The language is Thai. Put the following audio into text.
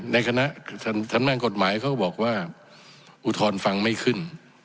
ในคณะสันแม่งกฎหมายเขาบอกว่าอูทรณ์ฟังไม่ขึ้น